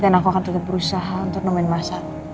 dan aku akan tetep berusaha untuk nemuin masalah